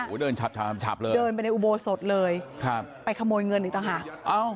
โอ้โหเดินฉับเลยเดินไปในอุโบสถเลยครับไปขโมยเงินอีกต่างหาก